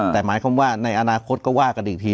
แต่หมายความว่าในอนาคตก็ว่ากันอีกที